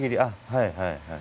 はいはいはい。